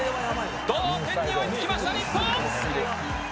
同点に追いつきました日本！